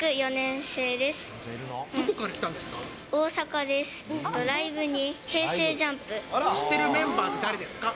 推してるメンバーって誰です